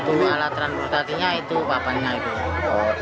untuk alat transportasinya itu papannya itu